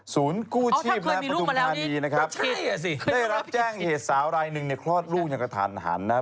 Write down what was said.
ศูนย์กู้ชีพนะฮะปวดท้องอยู่ดีนะครับได้รับแจ้งเหตุสาวไรหนึ่งเนี่ยคลอดรูปอย่างกระทานหันนะฮะ